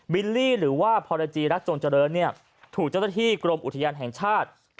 ิลลี่หรือว่าพรจีรัฐจงเจริญเนี่ยถูกเจ้าหน้าที่กรมอุทยานแห่งชาติ